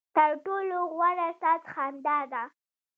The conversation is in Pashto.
ترټولو غوره ساز خندا ده.